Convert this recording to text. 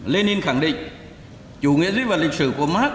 lê ninh khẳng định chủ nghĩa dưới và lịch sử của mark